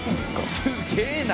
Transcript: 「すげえな！」